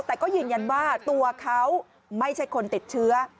แต่ก็ยืนยันว่าตัวเขาไม่ใช่คนติดเชื้อ